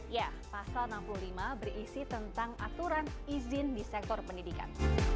ya pasal enam puluh lima berisi tentang aturan izin di sektor pendidikan